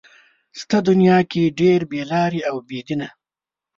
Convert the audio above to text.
شته دنيا کې ډېر بې لارې او بې دينه